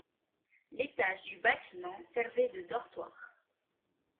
L'étage du bâtiment servait de dortoir.